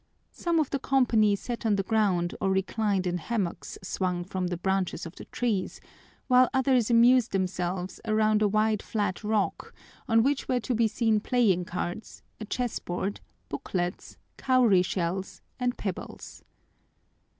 Some of the company sat on the ground or reclined in hammocks swung from the branches of the trees, while others amused themselves around a wide flat rock on which were to be seen playing cards, a chess board, booklets, cowry shells, and pebbles.